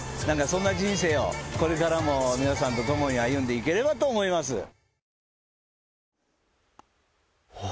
何かそんな人生をこれからも皆さんと共に歩んでいければと思います。